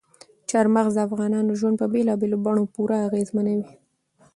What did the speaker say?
چار مغز د افغانانو ژوند په بېلابېلو بڼو پوره اغېزمنوي.